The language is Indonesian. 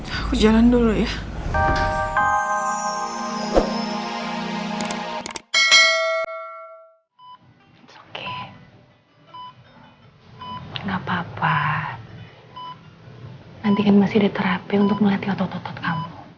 aku jalan dulu ya